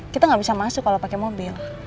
kita nggak bisa masuk kalau pakai mobil